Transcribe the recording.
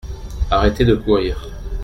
Arrêtez de courir.